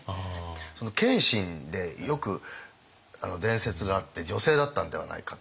その謙信でよく伝説があって女性だったんではないかとか。